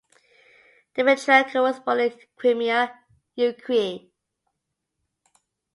Dimitrenko was born in Crimea, Ukraine.